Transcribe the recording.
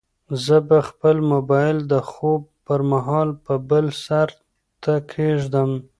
زه به خپل موبایل د خوب پر مهال په بل سرته کېږدم.